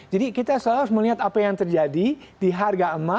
jadi kita harus melihat apa yang terjadi di harga emas